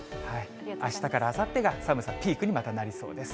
あしたからあさってが、寒さピークに、またなりそうです。